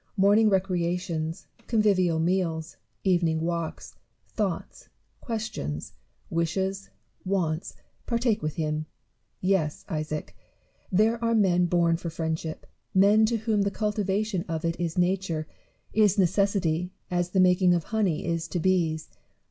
Morning recreations, convivial meals, evening walks, thoughts, questions, wishes, wants, partake with him. Yes, Isaac ! there are men born for friendship ; men to whom the cultivation of it is nature, is necessity, as the making of honey is to bees.